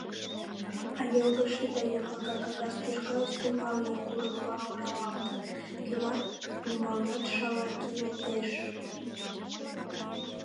А йылгыжше да яклака кагаз тӱшка ӱстембалне курыкла оралалтын, кӱвар ӱмбалнат шала кийылтеш.